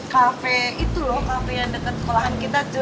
kafe itu loh kafe yang deket sekolahan kita cuy